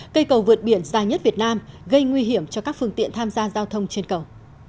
cây cầu vượt biển dài nhất việt nam gây nguy hiểm cho các phương tiện tham gia giao thông trên cầu